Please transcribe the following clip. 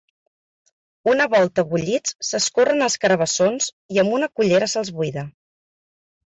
Una volta bullits s'escorren els carabassons i amb una cullera se’ls buida.